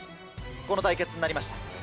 この対決になりました。